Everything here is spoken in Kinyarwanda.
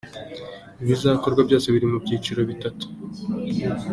Ibizakorwa byose biri mu byiciro bitatu.